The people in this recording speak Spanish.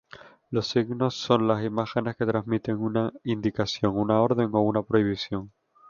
Los signos son las imágenes que transmiten una indicación, una orden o una prohibición.